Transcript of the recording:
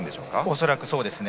恐らく、そうですね。